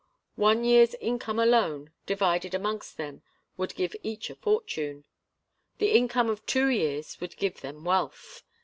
One year's income alone, divided amongst them, would give each a fortune. The income of two years would give them wealth.